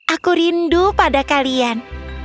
aku rindu pada kalian